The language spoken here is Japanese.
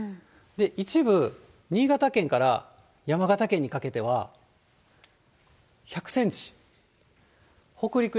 一部、新潟県から山形県にかけては、１００センチ。